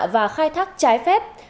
và khai thác trái phép